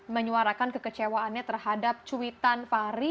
menyuarakan kekecewaannya terhadap cuitan fahri